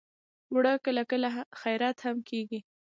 اوړه کله کله خیرات هم کېږي